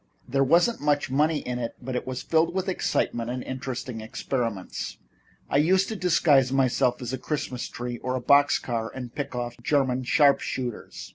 There wasn't much money in it, but it was filled with excitement and interesting experiments. I used to disguise myself as a Christmas tree or a box car and pick off German sharp shooters.